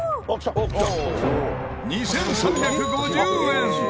２３５０円！